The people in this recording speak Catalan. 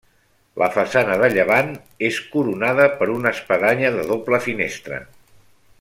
La façana de llevant és coronada per una espadanya de doble finestra.